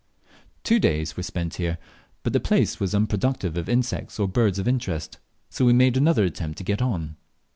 Two days were spent here, but the place was unproductive of insects or birds of interest, so we made another attempt to get on.